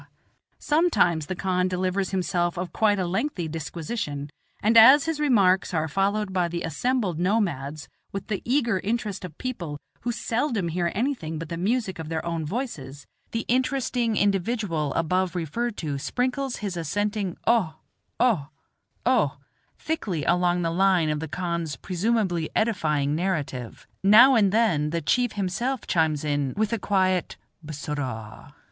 Sometimes the khan delivers himself of quite a lengthy disquisition, and as his remarks are followed by the assembled nomads with the eager interest of people who seldom hear anything but the music of their own voices, the interesting individual above referred to sprinkles his assenting "O, O, O" thickly along the line of the khan's presumably edifying narrative; now and then the chief himself chimes in with a quiet "b s s s orah."